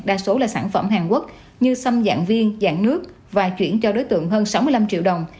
đa số là sản phẩm hàn quốc như xâm dạng viên dạng nước và chuyển cho đối tượng hơn sáu mươi năm triệu đồng